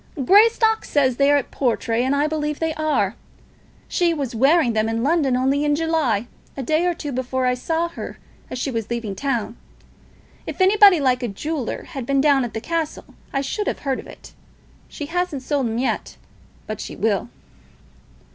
"Greystock says they are at Portray, and I believe they are. She was wearing them in London only in July, a day or two before I saw her as she was leaving town. If anybody like a jeweller had been down at the castle, I should have heard of it. She hasn't sold 'em yet, but she will."